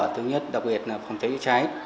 thứ nhất đặc biệt là phòng cháy chích cháy